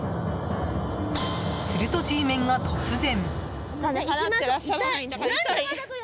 すると、Ｇメンが突然。